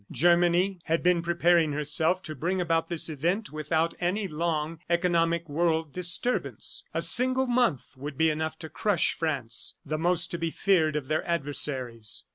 Germany had been preparing herself to bring about this event without any long, economic world disturbance. A single month would be enough to crush France, the most to be feared of their adversaries.